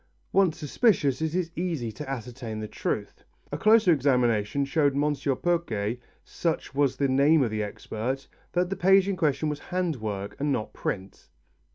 Once suspicious, it is easy to ascertain the truth. A closer examination showed M. Pourquet, such was the name of the expert, that the page in question was hand work, and not print.